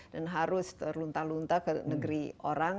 dan harus terluntar luntar ke negeri orang